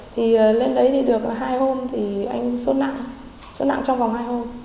thì lên đấy thì được hai hôm thì anh sốt nặng sốt nặng trong vòng hai hôm